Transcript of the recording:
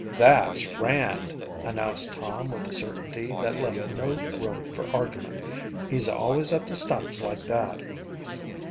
"That's Rand," announced Tom with a certainty that left no room for argument. "He's always up to stunts like that."